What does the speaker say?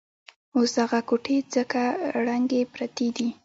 اوس دغه کوټې ځکه ړنګې پرتې دي.